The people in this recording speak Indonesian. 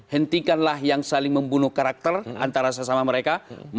hentikanlah yang saling membunuh karakter antara seseorang